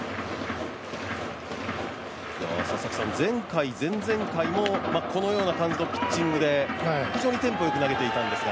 前回、前々回もこのような感じのピッチングで非常にテンポ良く投げていたんですが。